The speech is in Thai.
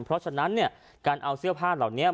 เพราะฉะนั้นเนี่ยการเอาเสื้อผ้าเหล่านี้